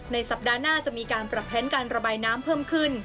สัปดาห์หน้าจะมีการปรับแผนการระบายน้ำเพิ่มขึ้น